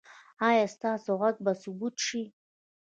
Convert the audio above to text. ایا ستاسو غږ به ثبت شي؟